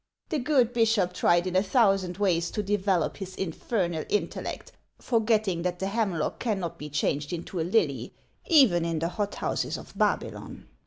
The good bishop tried in a thousand ways to develop his infernal intellect, forgetting that the hemlock cannot be changed into a lily even in the hot houses of Babylon.